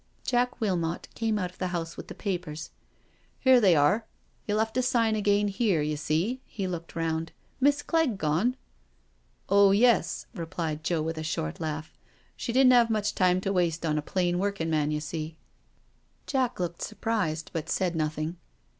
Jack Wilmot came out of the house with the papers. " Here they are — you'll have to sign again here, you see?"— he looked round— " Miss Clegg gone?'* " Oh yes," replied Joe with a short laugh. " She didn't have much time to waste on a plain working man, you see.*' N 178 NO SURRENDER Jack looked surprised, but said nothing.